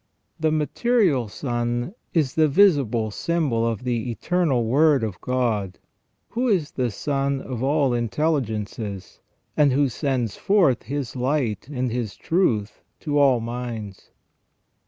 The material sun is the visible symbol of the Eternal Word of God, who is the Sun of all intelligences, and who sends forth His light and His truth to all minds.